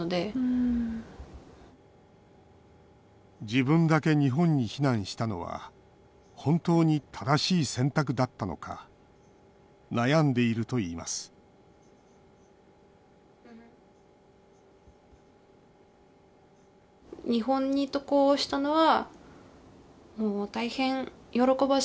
自分だけ日本に避難したのは本当に正しい選択だったのか悩んでいるといいます家族から贈られた指輪。